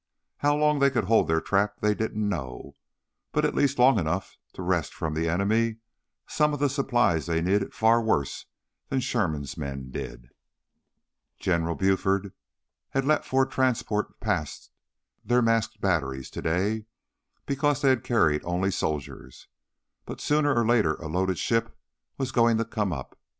How long they could hold their trap they didn't know, but at least long enough to wrest from the enemy some of the supplies they needed far worse than Sherman's men did. General Buford had let four transports past their masked batteries today because they had carried only soldiers. But sooner or later a loaded ship was going to come up.